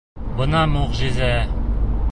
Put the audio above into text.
— Бына мөғжизә!